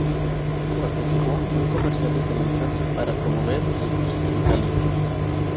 Participó en un comercial de televisión para promover el esquí en Italia.